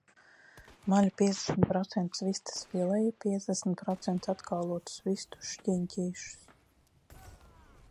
Maļu piecdesmit procentus vistas fileju, piecdesmit procentus atkaulotus vistu šķiņķīšus.